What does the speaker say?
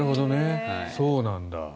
そうなんだ。